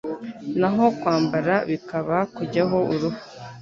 Naho kwambara, bikaba kujyaho uruhu.